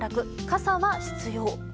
傘は必要。